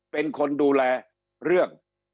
เป็นคนดูแลเรื่อง